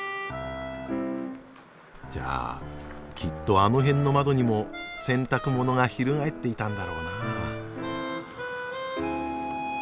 じゃあきっとあの辺の窓にも洗濯物が翻っていたんだろうな。